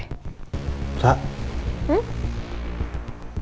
kamu ini kenapa sih fokus sama sama handphone